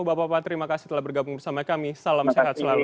bapak bapak terima kasih telah bergabung bersama kami salam sehat selalu